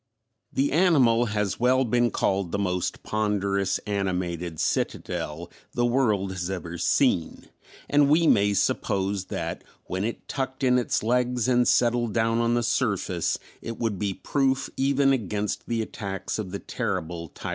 The animal has well been called "the most ponderous animated citadel the world has ever seen" and we may suppose that when it tucked in its legs and settled down on the surface it would be proof even against the attacks of the terrible Tyrannosaur.